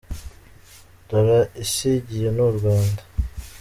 Ndora isigiye n’u Rwanda.